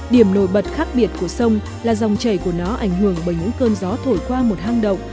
điểm nổi bật khác biệt của sông là dòng chảy của nó ảnh hưởng bởi những cơn gió thổi qua một hang động